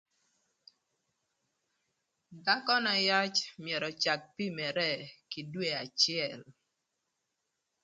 Dhakö na yac myero öcak pimere kï dwe acël.